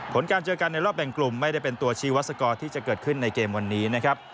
ผลการเจอกันในรอบแบ่งกลุ่มไม่ได้เป็นตัวชีวัศกรที่จะเกิดขึ้นในเกมวันนี้นะครับ